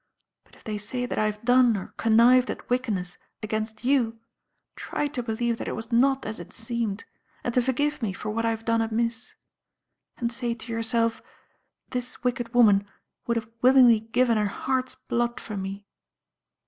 But if they say that I have done or connived at wickedness against you, try to believe that it was not as it seemed, and to forgive me for what I have done amiss. And say to yourself, 'This wicked woman would have willingly given her heart's blood for me.'